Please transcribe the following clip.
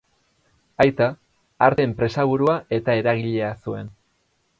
Aita arte-enpresaburua eta eragilea zuen.